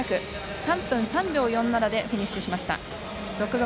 ３分３秒４７でフィニッシュ。